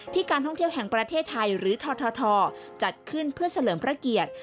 การท่องเที่ยวแห่งประเทศไทยหรือททจัดขึ้นเพื่อเฉลิมพระเกียรติ